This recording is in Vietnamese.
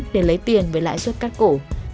để lấy tiền với lãi suất cắt cổ